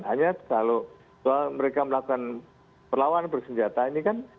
hanya kalau mereka melakukan perlawanan bersenjata ini kan